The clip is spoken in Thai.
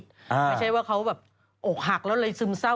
ไม่ใช่ว่าเขาแบบอกหักแล้วเลยซึมเศร้า